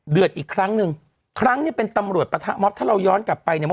เดือดอีกครั้งหนึ่งครั้งนี้เป็นตำรวจปะทะม็อบถ้าเราย้อนกลับไปเนี่ย